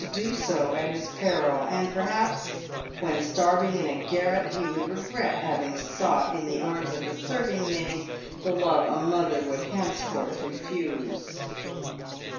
do so at his peril ; and, perhaps, when starving in a garret, he would regret having sought in the arms of a serving maid the love a mother would henceforth refuse.'